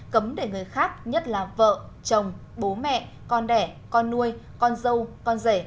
cấm để người khác nhất là vợ chồng bố mẹ con đẻ con nuôi con dâu con rể